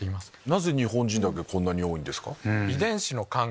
なぜ日本人だけこんなに多いんですか？